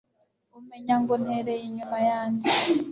Umenya ngo ntereye inyuma yanjye